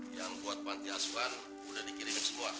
yang buat panti asuhan sudah dikirimin semua